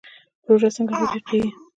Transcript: پروژه څنګه تطبیقیږي؟